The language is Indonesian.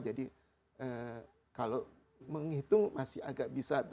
jadi kalau menghitung masih agak bisa